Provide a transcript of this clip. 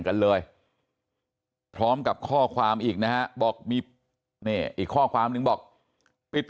กันเลยพร้อมกับข้อความอีกนะฮะบอกมีนี่อีกข้อความนึงบอกปิด